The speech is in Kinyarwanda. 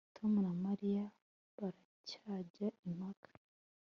Tom na Mariya baracyajya impaka